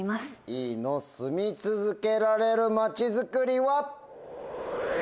Ｅの「住み続けられるまちづくり」は？